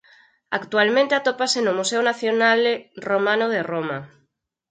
Actualmente atópase no Museo Nazionale Romano de Roma.